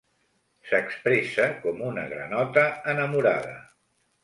S'expressa com una granota enamorada.